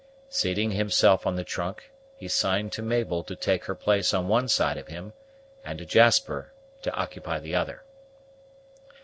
Seating himself on the trunk, he signed to Mabel to take her place on one side of him and to Jasper to occupy the other.